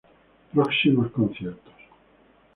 Próximos conciertos